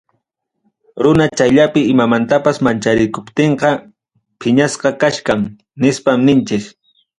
Runa chayllapi imamantapas mancharikuptinqa, piñasqa kachkan, nispa ninchik.